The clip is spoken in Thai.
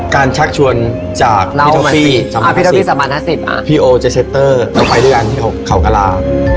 การชักชวนจากพี่ทพี่สมรรถสิทธิ์พี่โอจะเช็ตเตอร์ไปด้วยกันที่เขากรา